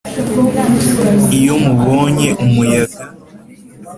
Iyo mubonye umuyaga